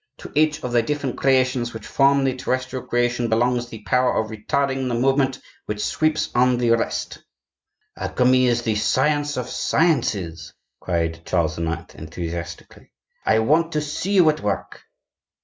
To each of the different creations which form the terrestrial creation belongs the power of retarding the movement which sweeps on the rest." "Alchemy is the science of sciences!" cried Charles IX., enthusiastically. "I want to see you at work."